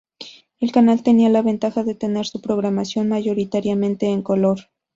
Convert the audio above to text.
El canal tenía la ventaja de tener su programación mayoritariamente en color.